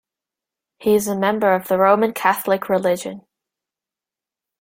He is a member of the Roman Catholic religion.